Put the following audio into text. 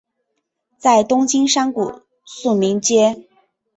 在东京山谷的宿民街。